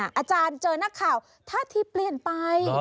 อาจารย์เจอนักข่าวท่าทีเปลี่ยนไป